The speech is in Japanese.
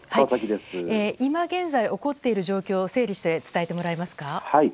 今現在起こっている状況を整理して伝えてもらえますか。